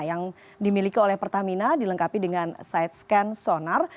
yang dimiliki oleh pertamina dilengkapi dengan side scan sonar